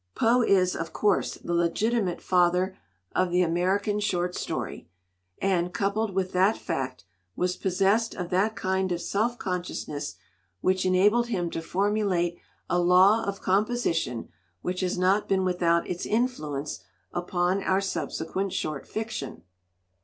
Poe is, of course, the legiti mate father of the American short story, and, coupled with that fact, was possessed of that kind of self consciousness which enabled him to formu late a law of composition which has not been without its influence upon our subsequent short fiction.